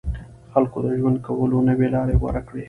خلکو د ژوند کولو نوې لاره غوره کړه.